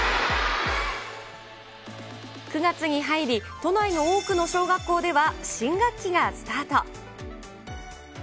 ９月に入り、都内の多くの小学校では新学期がスタート。